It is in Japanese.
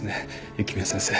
雪宮先生。